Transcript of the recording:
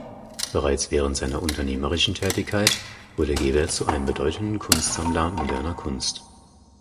Bereits während seiner unternehmerischen Tätigkeit wurde Gebert zu einem bedeutenden Kunstsammler moderner Kunst.